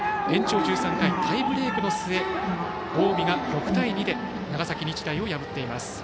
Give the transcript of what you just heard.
延長１３回、タイブレークの末近江が６対２で長崎日大を破っています。